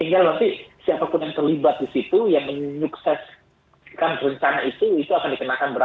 tinggal nanti siapapun yang terlibat di situ yang menyukseskan rencana itu itu akan dikenakan berapa